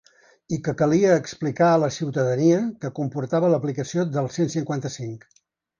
I que calia explicar a la ciutadania què comportava l’aplicació del cent cinquanta-cinc.